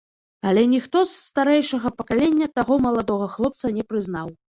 Але ніхто з старэйшага пакалення таго маладога хлопца не прызнаў.